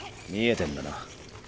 見えてんだな。